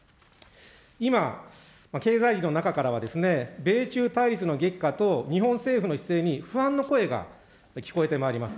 今、経済の中からは米中対立の激化と日本政府の姿勢に不安の声が聞こえてまいります。